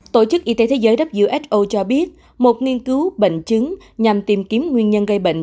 tổ chức y tế thế giới who cho biết một nghiên cứu bệnh chứng nhằm tìm kiếm nguyên nhân gây bệnh